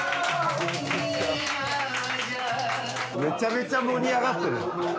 めちゃめちゃ盛り上がってる。